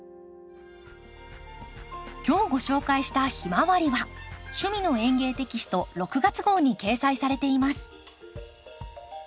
今日ご紹介した「ヒマワリ」は「趣味の園芸」テキスト６月号に掲載されています。